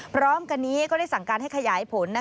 พร้อมกันนี้ก็ได้สั่งการให้ขยายผล